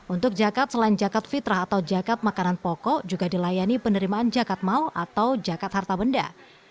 untuk zakat selain zakat fitrah atau zakat makanan pokok juga dilayani penerimaan zakat maul atau zakat harta benda